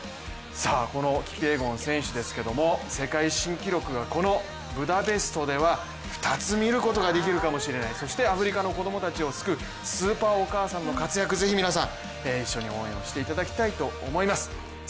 このキピエゴン選手ですけど世界新記録がこのブダペストでは２つ見ることができるかもしれない、そしてアフリカの子供たちを救うスーパーお母さんの活躍を是非皆さん、一緒に応援をしていただきたいと思います。